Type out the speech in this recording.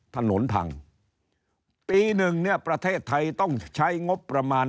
ถนนพังปีหนึ่งเนี่ยประเทศไทยต้องใช้งบประมาณ